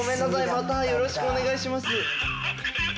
またよろしくお願いします。